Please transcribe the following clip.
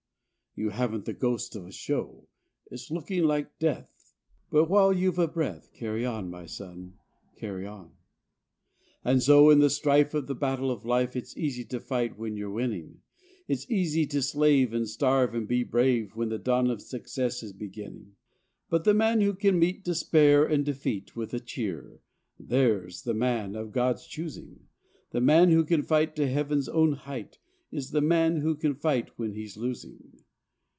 You haven't the ghost of a show. It's looking like death, but while you've a breath, Carry on, my son! Carry on! And so in the strife of the battle of life It's easy to fight when you're winning; It's easy to slave, and starve and be brave, When the dawn of success is beginning. But the man who can meet despair and defeat With a cheer, there's the man of God's choosing; The man who can fight to Heaven's own height Is the man who can fight when he's losing.